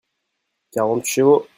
quarante chevaux.